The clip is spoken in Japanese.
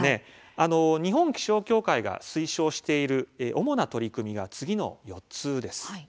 日本気象協会が推奨している主な取り組みが次の４つです。